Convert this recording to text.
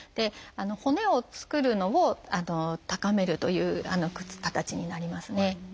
骨を作るのを高めるという形になりますね。